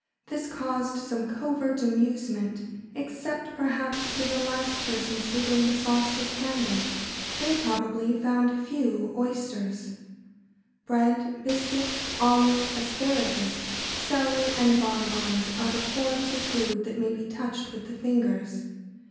This caused some covert amusement, except, perhaps, to the last persons to whom the sauce was handed. They probably found few oysters. [Sidenote: Foods touched with the fingers.] Bread, biscuits, olives, asparagus, celery, and bonbons are the forms of food that may be touched with the fingers.